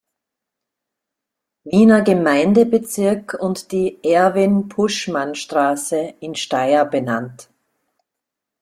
Wiener Gemeindebezirk und die "Erwin-Puschmann-Straße" in Steyr benannt.